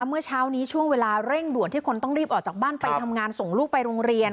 เมื่อเช้านี้ช่วงเวลาเร่งด่วนที่คนต้องรีบออกจากบ้านไปทำงานส่งลูกไปโรงเรียน